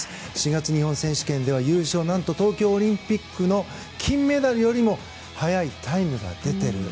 ４月の日本選手権では何と東京オリンピックの金メダルよりも速いタイムが出ている。